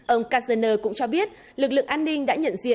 ông kazene cũng cho biết lực lượng an ninh đã nhận diện